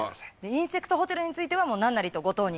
インセクトホテルについては何なりと五島に。